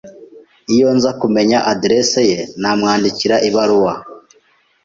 Iyo nza kumenya adresse ye, namwandikira ibaruwa.